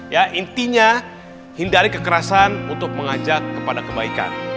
ya intinya hindari kekerasan untuk mengajak kepada kebaikan